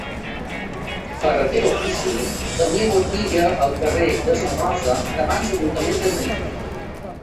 Ferreter d'ofici, tenia botiga al carrer de la Rosa, davant l'Ajuntament antic.